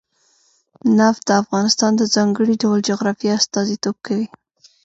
نفت د افغانستان د ځانګړي ډول جغرافیه استازیتوب کوي.